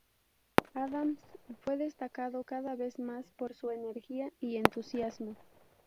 Adams fue destacando cada vez más por su energía y entusiasmo.